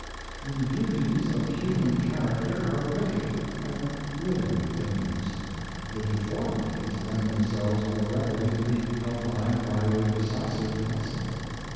The beauties of human character are vague and living things ; the deformities lend themselves more readily to be outlined by a decisive pencil.